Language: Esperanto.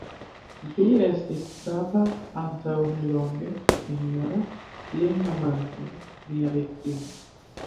Vi estis prava antaŭ ne longe, sinjoro, lin nomante: mia viktimo.